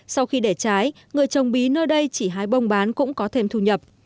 sau khi để trái người trồng bí nơi đây chỉ hái bông bán cũng có thêm thu nhập